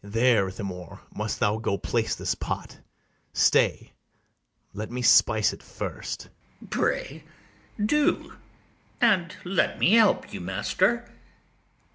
There, Ithamore, must thou go place this pot: Stay; let me spice it first. ITHAMORE. Pray, do, and let me help you, master.